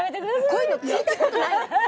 こういうの聞いたことない。